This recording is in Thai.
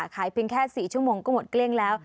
เพียงแค่๔ชั่วโมงก็หมดเกลี้ยงแล้ว